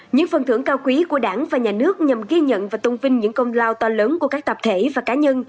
những phần thưởng cao quý của đảng và nhà nước nhằm ghi nhận và tôn vinh những công lao to lớn của các tập thể và cá nhân